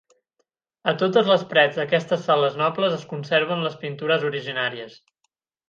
A totes les parets d'aquestes sales nobles es conserven les pintures originàries.